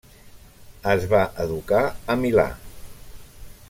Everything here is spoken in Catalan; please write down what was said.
Es va educar a Milà.